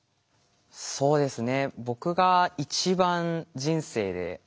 そうですね。